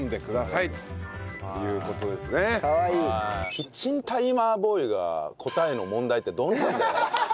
キッチンタイマーボーイが答えの問題ってどんなんだよ。